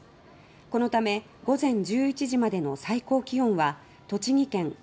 このため午前１１時までの最高気温は栃木県奥